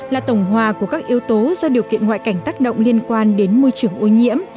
là tổng hòa của các yếu tố do điều kiện ngoại cảnh tác động liên quan đến môi trường ô nhiễm